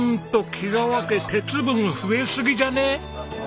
木川家鉄分増えすぎじゃね！？